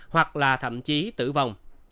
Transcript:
hoặc là thậm chí tử vong